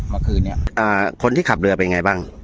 มาคืนเนี้ยอ่าคนที่ขับเรือเป็นไงบ้าง